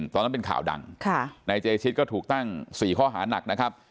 ตอนนั้นเป็นข่าวดังนายเจชิตก็ถูกตั้ง๔ข้อหานักนะครับ